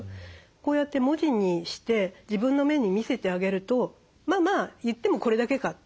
こうやって文字にして自分の目に見せてあげるとまあまあ言ってもこれだけか。